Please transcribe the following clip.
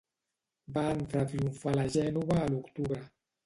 Va entrar triomfal a Gènova a l'octubre.